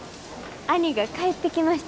兄が帰ってきました。